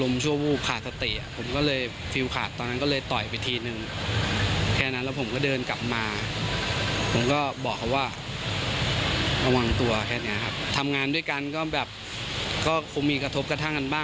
ไม่เล่นด้วยกับเขาใช่ไหมฮะ